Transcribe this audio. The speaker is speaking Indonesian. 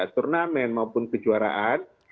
turnamen maupun kejuaraan